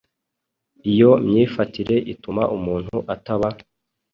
Iyo myifatire ituma umuntu ataba